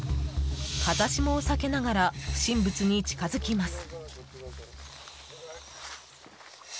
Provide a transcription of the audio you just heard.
風下を避けながら不審物に近づきます。